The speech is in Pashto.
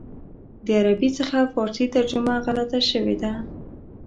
د عربي څخه فارسي ترجمه غلطه شوې ده.